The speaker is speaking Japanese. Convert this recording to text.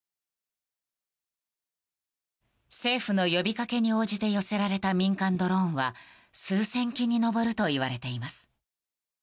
政府の呼びかけに応じて寄せられた民間ドローンは数千機に上るといわれています。